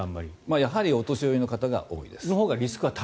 やはりお年寄りのほうが高いです。